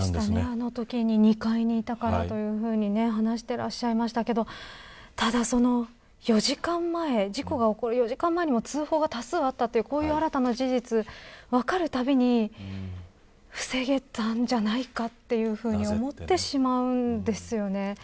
あのときに２階にいたからと話していらっしゃいましたがただ、その４時間前事故が起こる４時間前にも通報が多数あったという新たな事実が分かるたびに防げたのではないかと思ってしまうんですよね。